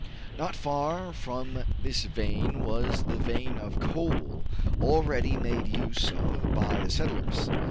Not far from this vein was the vein of coal already made use of by the settlers.